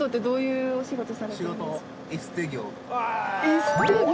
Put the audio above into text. エステ業。